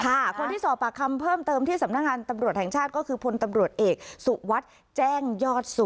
คนที่สอบปากคำเพิ่มเติมที่สำนักงานตำรวจแห่งชาติก็คือพลตำรวจเอกสุวัสดิ์แจ้งยอดสุข